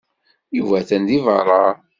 Yuba atan deg beṛṛa.